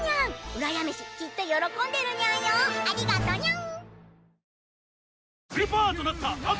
うらや飯きっと喜んでるニャンよありがとニャン！